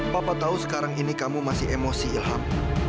papa tahu sekarang ini kamu masih emosi ilham